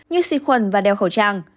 như xịt khuẩn và đeo khẩu trang